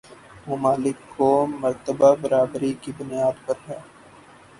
ممالک کو مرتبہ برابری کی بنیاد پر ہے